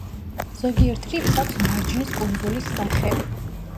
ზოგიერთ რიფს აქვს მარჯნის კუნძულის სახე.